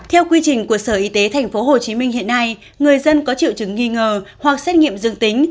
theo quy trình của sở y tế tp hcm hiện nay người dân có triệu chứng nghi ngờ hoặc xét nghiệm dương tính